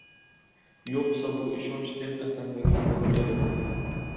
Yo‘qsa bu ishonch deb atalmagan bo‘lur edi.